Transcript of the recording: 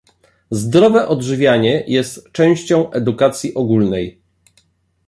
Zdrowe odżywianie jest częścią edukacji ogólnej